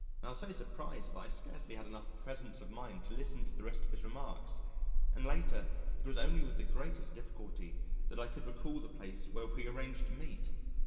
I was so surprised that I scarcely had enough presence of mind to listen to the rest of his remarks and later, it was only with the greatest difficulty that I could recall the place where we arranged to meet.